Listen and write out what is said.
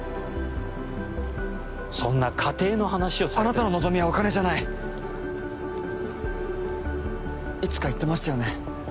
そんな仮定の話をされてもあなたの望みはお金じゃないいつか言ってましたよね